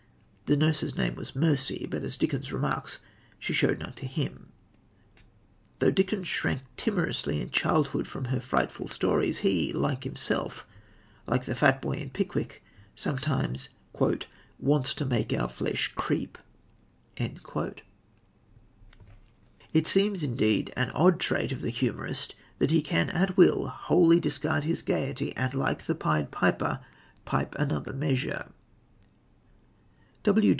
The nurse's name was Mercy, but, as Dickens remarks, she showed none to him. Though Dickens shrank timorously in childhood from her frightful stories, he himself, like the fat boy in Pickwick, sometimes "wants to make our flesh creep." It seems, indeed, an odd trait of the humorist that he can at will wholly discard his gaiety, and, like the Pied Piper, pipe to another measure.